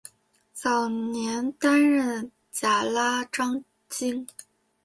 早年担任甲喇章京。